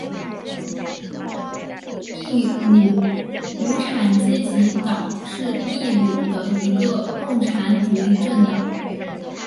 秘鲁无产阶级党是秘鲁的一个共产主义政党。